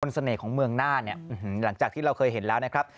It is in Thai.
เสน่ห์ของเมืองน่านเนี่ยหลังจากที่เราเคยเห็นแล้วนะครับ